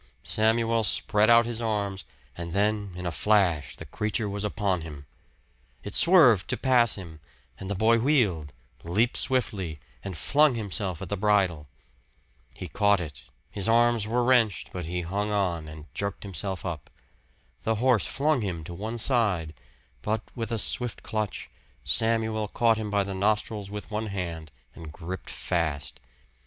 Samuel spread out his arms; and then in a flash the creature was upon him. It swerved to pass him; and the boy wheeled, leaped swiftly, and flung himself at the bridle. He caught it; his arms were wrenched, but he hung on, and jerked himself up. The horse flung him to one side; but with a swift clutch, Samuel caught him by the nostrils with one hand, and gripped fast.